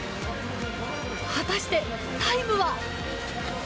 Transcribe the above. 果たして、タイムは。